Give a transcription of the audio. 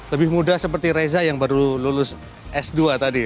lebih muda seperti reza yang baru lulus s dua tadi